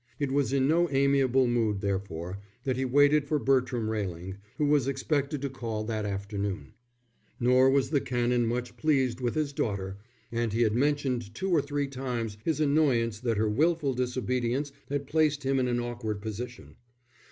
It was in no amiable mood, therefore, that he waited for Bertram Railing, who was expected to call that afternoon. Nor was the Canon much pleased with his daughter, and he had mentioned two or three times his annoyance that her wilful disobedience had placed him in an awkward position.